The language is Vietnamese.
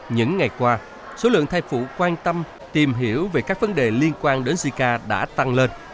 những ngày qua số lượng thai phụ quan tâm tìm hiểu về các vấn đề liên quan đến zika đã tăng lên